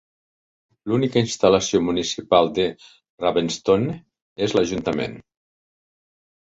L'única instal·lació municipal de Ravenstone és l'ajuntament.